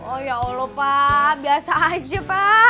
oh ya allah pak biasa aja pak